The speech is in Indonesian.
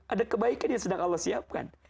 ada kebaikan yang sedang allah siapkan